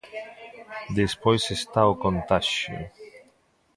Despois está o contaxio.